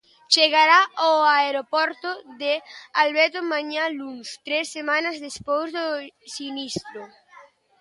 Chegará ao aeroporto de Alvedro mañá luns, tres semanas despois do sinistro.